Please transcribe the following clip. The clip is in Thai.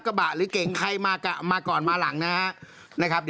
กระบะหรือเก่งใครมาก่อนมาหลังนะครับ